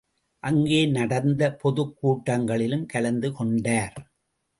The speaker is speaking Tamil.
அங்கே நடந்த பொதுக் கூட்டங்களிலும் கலந்து கொண்டார்.